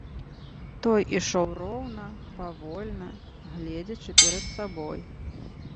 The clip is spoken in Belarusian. Той ішоў роўна, павольна, гледзячы перад сабой.